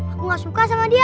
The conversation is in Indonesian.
aku gak suka sama dia